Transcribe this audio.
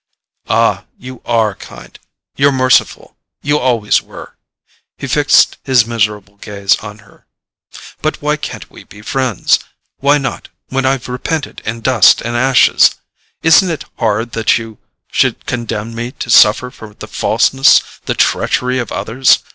"Ah, you ARE kind—you're merciful—you always were!" He fixed his miserable gaze on her. "But why can't we be friends—why not, when I've repented in dust and ashes? Isn't it hard that you should condemn me to suffer for the falseness, the treachery of others?